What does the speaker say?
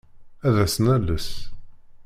Ad as-nales.